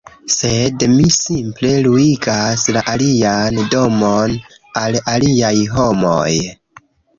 sed mi simple luigas la alian domon al aliaj homoj